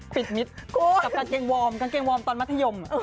มิตรกับกางเกงวอร์มกางเกงวอร์มตอนมัธยม